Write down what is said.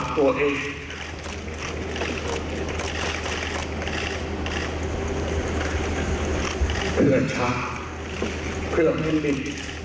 เผื่อชะเผื่อแม่นบิน